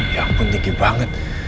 ya ampun tinggi banget